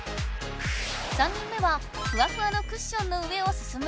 ３人目はふわふわのクッションの上をすすむ。